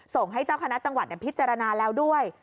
ส่งให้เจ้าคณะจังหวัดพิจารณาแล้วด้วย